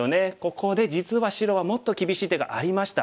ここで実は白はもっと厳しい手がありました。